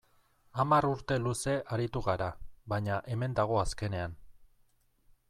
Hamar urte luze aritu g ara, baina hemen dago azkenean.